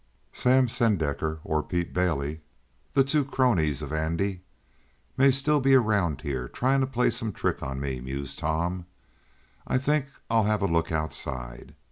"Sam Snedecker or Pete Bailey, the two cronies of Andy, may still be around here, trying to play some trick on me," mused Tom. "I think I'll take a look outside."